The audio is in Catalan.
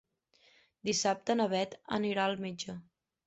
Dissabte na Beth anirà al metge.